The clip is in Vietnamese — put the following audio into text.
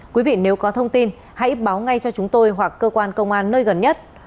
quý vị nếu có thông tin hãy báo ngay cho chúng tôi hoặc cơ quan công an nơi gần nhất